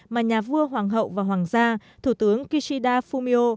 mà nhà vua hoàng hậu và hoàng gia thủ tướng kishida fumio